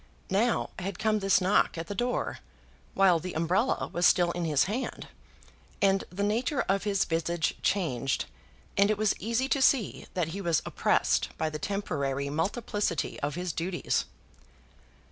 Now had come this knock at the door, while the umbrella was still in his hand, and the nature of his visage changed, and it was easy to see that he was oppressed by the temporary multiplicity of his duties.